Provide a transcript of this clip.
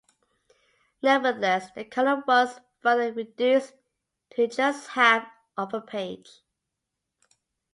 Nevertheless, the column was further reduced to just half of a page.